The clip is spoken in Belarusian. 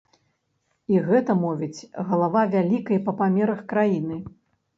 І гэта мовіць галава вялікай па памерах краіны.